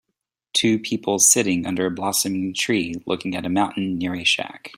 Two people sitting under a blossoming tree looking at a mountain near a shack